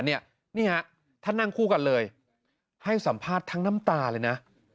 นี่ฮะท่านนั่งคู่กันเลยให้สัมภาษณ์ทั้งน้ำตาเลยนะ